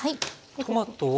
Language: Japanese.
トマトを。